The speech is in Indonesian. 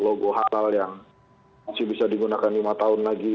logo halal yang masih bisa digunakan lima tahun lagi